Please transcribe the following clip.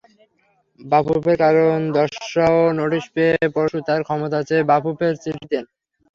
বাফুফের কারণ দর্শাও নোটিশ পেয়ে পরশু তাঁরা ক্ষমা চেয়ে বাফুফেকে চিঠি দেন।